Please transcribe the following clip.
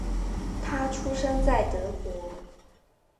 他出生在德国。